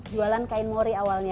jualan kain mori awalnya